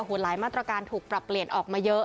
หลายมาตรการถูกปรับเปลี่ยนออกมาเยอะ